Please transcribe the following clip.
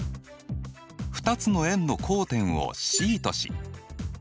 ２つの円の交点をＣとし三角形